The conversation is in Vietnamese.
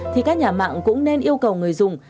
thì các nhà mạng cũng nên yêu cầu người dùng